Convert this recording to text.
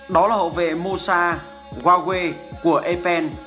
đó là hậu vệ moussa huawei của epen